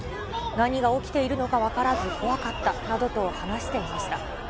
何が起きているのが分からず怖かったなどと話していました。